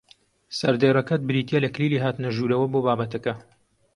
سەردێڕەکەت بریتییە لە کلیلی هاتنە ژوورەوە بۆ بابەتەکە